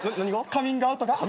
カミングアウトが。